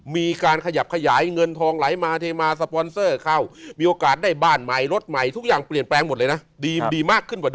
มีการขยับขยายเงินทองไหลมาเทมาสปอนเซอร์เข้ามีโอกาสได้บ้านใหม่รถใหม่ทุกอย่างเปลี่ยนแปลงหมดเลยนะดีมากขึ้นกว่านี้